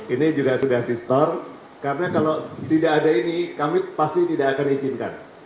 ini juga sudah di store karena kalau tidak ada ini kami pasti tidak akan izinkan